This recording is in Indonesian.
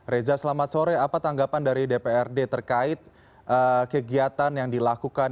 reza selamat sore apa tanggapan dari dprd terkait kegiatan yang dilakukan